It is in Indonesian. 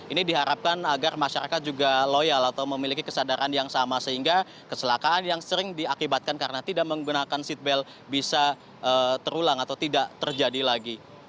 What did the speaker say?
ini diharapkan agar masyarakat juga loyal atau memiliki kesadaran yang sama sehingga keselakaan yang sering diakibatkan karena tidak menggunakan seatbelt bisa terulang atau tidak terjadi lagi